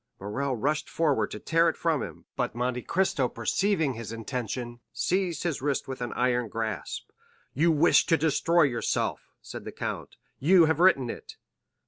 Morrel rushed forward to tear it from him, but Monte Cristo perceiving his intention, seized his wrist with his iron grasp. "You wish to destroy yourself," said the count; "you have written it."